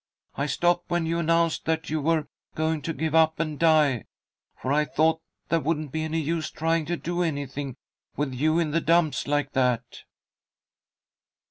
I stopped when you announced that you were going to give up and die, for I thought there wouldn't be any use trying to do anything, with you in the dumps like that."